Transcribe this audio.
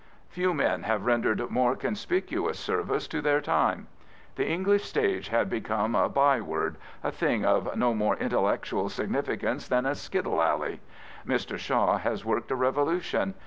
Few men have rendered more conspicuous service to their time. The English stage had become a by word — a thing of no more intellectual significance than a skittle alley. Mr. Shaw has worked a revolu tion.